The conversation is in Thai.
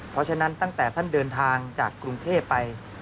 เพราะฉะนั้นตั้งแต่ท่านเดินทางจากกรุงเทพไป